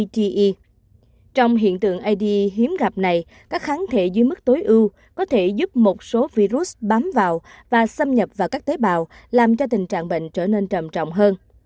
trong hiện tượng ad hiếm gặp này các kháng thể dưới mức tối ưu có thể giúp một số virus bám vào và xâm nhập vào các tế bào làm cho tình trạng bệnh trở nên trầm trọng hơn